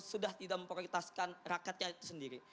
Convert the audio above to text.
sudah tidak memprioritaskan rakyatnya itu sendiri